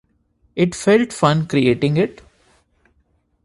It felt fun creating it.